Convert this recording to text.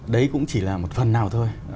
đấy cũng chỉ là một phần nào thôi